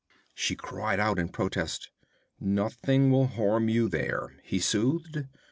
She cried out in protest. 'Nothing will harm you there,' he soothed.